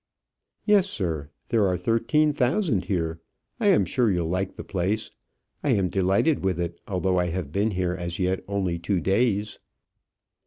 "Yes, sir. There are thirteen thousand here. I am sure you'll like the place. I am delighted with it, although I have been here as yet only two days."